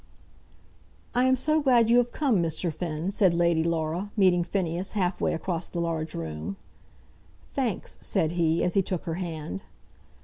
"I am so glad you have come, Mr. Finn," said Lady Laura, meeting Phineas half way across the large room. "Thanks," said he, as he took her hand.